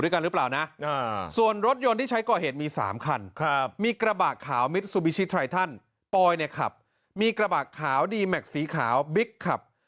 ขาวดีแม็กซ์สีขาวบิ๊กครับ